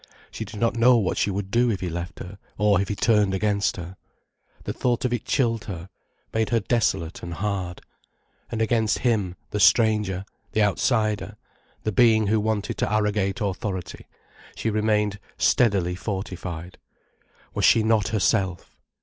She did not know what she would do if he left her, or if he turned against her. The thought of it chilled her, made her desolate and hard. And against him, the stranger, the outsider, the being who wanted to arrogate authority, she remained steadily fortified. Was she not herself?